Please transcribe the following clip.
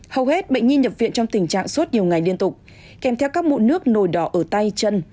hầu hết bệnh nhi nhập viện trong tình trạng suốt nhiều ngày liên tục kèm theo các mụn nước nổi đỏ ở tay chân